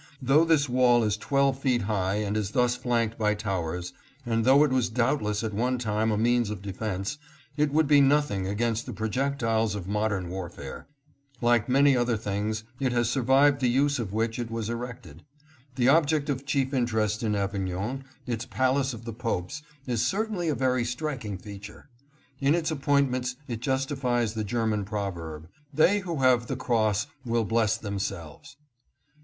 Though this wall is twelve feet high and is thus flanked by towers, and though it was doubtless at one time a means of defense, it would be nothing against the projectiles of modern warfare. Like many other things, it has survived the use for which it was erected. The object of chief interest in Avignon, its palace of the popes, is certainly a very striking feature. In its appointments it justifies the German proverb, " They who have the cross will bless themselves."